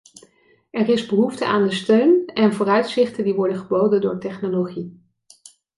Er is behoefte aan de steun en vooruitzichten die worden geboden door technologie.